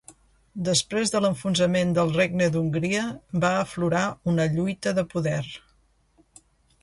Després de l'enfonsament del Regne d'Hongria va aflorar una lluita de poder.